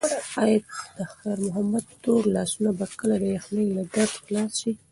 ایا د خیر محمد تور لاسونه به کله د یخنۍ له درده خلاص شي؟